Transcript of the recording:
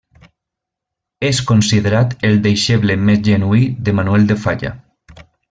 És considerat el deixeble més genuí de Manuel de Falla.